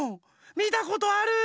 みたことある！